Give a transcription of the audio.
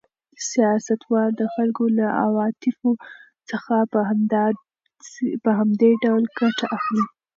سیاستوال د خلکو له عواطفو څخه په همدې ډول ګټه اخلي.